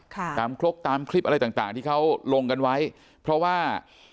ตามครกตามคลิปอะไรต่างต่างที่เขาลงกันไว้เพราะว่า